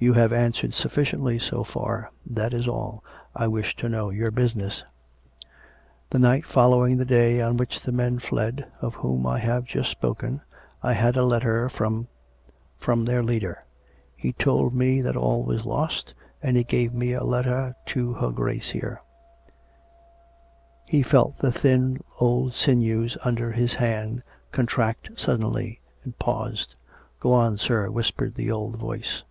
You have answered sufficiently so far ; that is all. I wish to know your business." " The night following the day on which the men fled, of whom I have just spoken, I had a letter from — from their 298 COME RACK! COME ROPE! leader. He told me that all was lost, and he gave me a letter to her Grace here " He felt the thin old sinews under his hand contract sud denly, and paused. " Go on, sir," whispered the old voice.